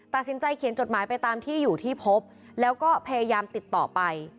ตัดสินใจเขียนจดหมายไปตามที่อยู่ที่พบแล้วก็พยายามติดต่อไป